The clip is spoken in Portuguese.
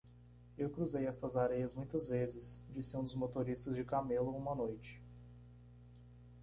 "Eu cruzei estas areias muitas vezes?" disse um dos motoristas de camelo uma noite.